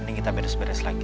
nanti kita beres beres lagi